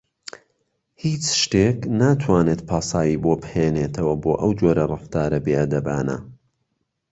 هیچ شتێک ناتوانێت پاساوی بۆ بهێنێتەوە بۆ ئەو جۆرە ڕەفتارە بێئەدەبانە.